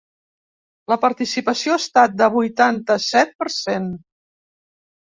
La participació ha estat del vuitanta-set per cent.